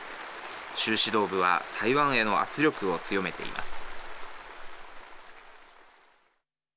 習指導部は台湾への圧力を強めています。